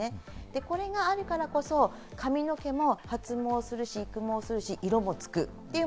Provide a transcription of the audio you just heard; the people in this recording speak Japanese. これがあるからこそ髪の毛も発毛するし育毛もするし、色もつく。